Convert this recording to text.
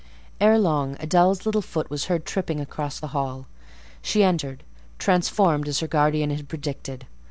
Ere long, Adèle's little foot was heard tripping across the hall. She entered, transformed as her guardian had predicted.